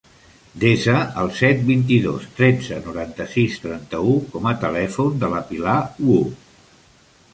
Desa el set, vint-i-dos, tretze, noranta-sis, trenta-u com a telèfon de la Pilar Wu.